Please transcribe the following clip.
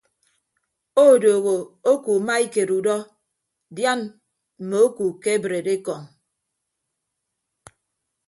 Odooho oku maikeed udọ dian mme oku kebreed ekọñ.